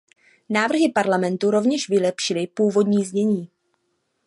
Návrhy Parlamentu rovněž vylepšily původní znění.